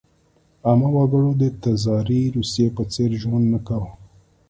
عامه وګړو د تزاري روسیې په څېر ژوند نه کاوه.